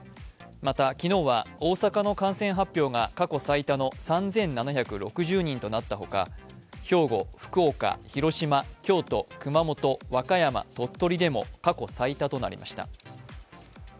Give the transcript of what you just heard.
また、昨日は大阪の感染発表が過去最多の３７６０人となったほか兵庫、福岡、広島、京都、熊本、和歌山、鳥取でも過去最多となりました。